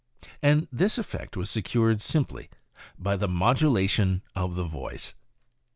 And this effect was secured simply by the modulation of the voice."